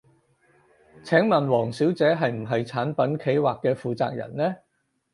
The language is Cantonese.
請問王小姐係唔係產品企劃嘅負責人呢？